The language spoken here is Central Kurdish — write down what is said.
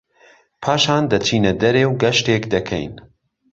پاشان دەچینە دەرێ و گەشتێک دەکەین